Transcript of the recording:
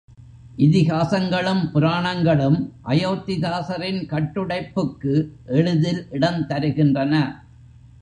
இதிகாசங்களும் புராணங்களும் அயோத்திதாசரின் கட்டுடைப்புக்கு எளிதில் இடந்தருகின்றன.